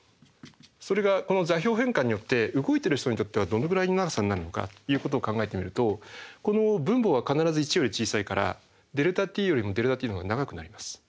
それがこの座標変換によって動いてる人にとってはどのぐらいの長さになるのかということを考えてみるとこの分母は必ず１より小さいからΔｔよりもΔｔ′のほうが長くなります。